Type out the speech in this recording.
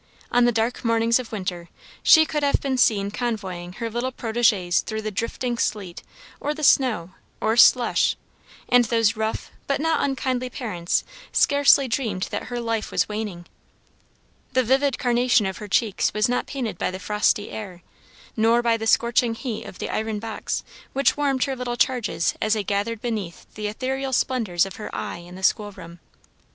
On the dark mornings of winter she could have been seen convoying her little protégés through the driving sleet, or the snow, or slush, and those rough but not unkindly parents scarcely dreamed that her life was waning. The vivid carnation of her cheeks was not painted by the frosty air, nor by the scorching heat of the iron box which warmed her little charges as they gathered beneath the ethereal splendors of her eye in the school room.